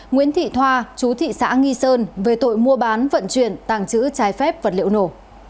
nguyễn thị thoa chú thị xã nghi sơn về tội mua bán vận chuyển tàng trữ trái phép vật liệu nổ